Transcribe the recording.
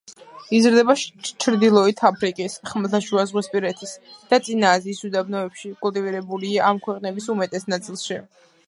იზრდება ჩრდილოეთ აფრიკის, ხმელთაშუაზღვისპირეთის და წინა აზიის უდაბნოებში კულტივირებულია ამ ქვეყნების უმეტეს ნაწილში.